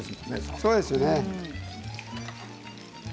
そうですね。